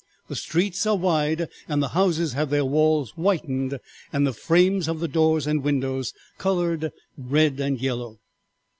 The streets are wide, and the houses have their walls whitened and the frames of the doors and windows colored red and yellow.